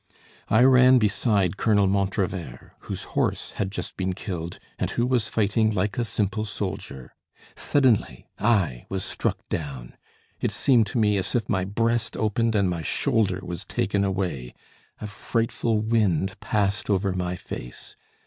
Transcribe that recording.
I ran beside Colonel Montrevert, whose horse had just been killed, and who was fighting like a simple soldier. Suddenly I was struck down; it seemed to me as if my breast opened and my shoulder was taken away. A frightful wind passed over my face.